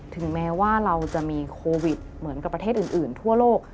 ถึงแม้ว่าเราจะมีโควิดเหมือนกับประเทศอื่นทั่วโลก